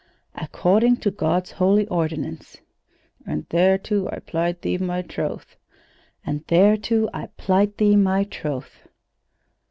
"'According to God's holy ordinance.'" "And thereto I plight thee my troth." "'And thereto I plight thee my troth.'"